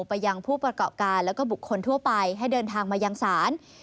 ไปยังผู้ประกอบการแล้วก็บุคคลทั่วไปให้เดินทางมายังศาล